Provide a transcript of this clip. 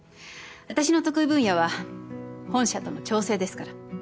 私の得意分野は本社との調整ですから。